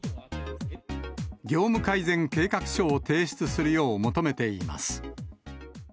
業務改善計画書を提出するよう求めています。